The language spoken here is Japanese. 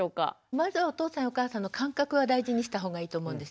まずはお父さんやお母さんの感覚は大事にした方がいいと思うんです。